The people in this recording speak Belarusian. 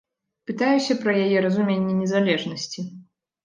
Пытаюся пра яе разуменне незалежнасці.